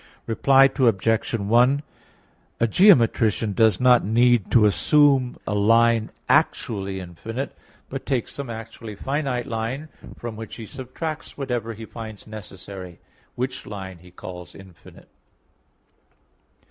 Reply Obj. 1: A geometrician does not need to assume a line actually infinite, but takes some actually finite line, from which he subtracts whatever he finds necessary; which line he calls infinite.